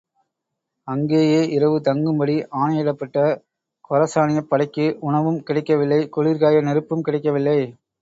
அங்கேயே, இரவு தங்கும்படி, ஆணையிடப்பட்ட கொரசானியப் படைக்கு உணவும் கிடைக்கவில்லை குளிர்காய நெருப்பும் கிடைக்கவில்லை.